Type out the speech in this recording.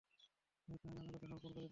নয়তো আমি আদালতে সমর্পণ করে দিবো।